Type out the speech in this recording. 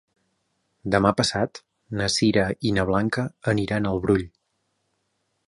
Demà passat na Sira i na Blanca aniran al Brull.